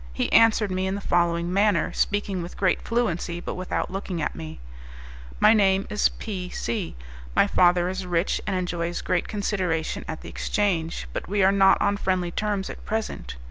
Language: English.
He answered me in the following manner, speaking with great fluency, but without looking at me: "My name is P C . My father is rich, and enjoys great consideration at the exchange; but we are not on friendly terms at present.